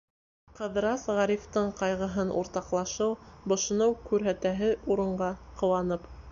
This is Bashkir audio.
Ҡыҙырас, Ғарифтың ҡайғыһын уртаҡлашыу, бошоноу күрһәтәһе урынға, ҡыуанып: